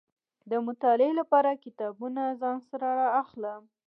د مطالعې لپاره کتابونه ځان سره را اخلم.